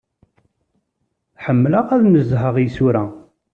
Ḥemmleɣ ad nezheɣ isura.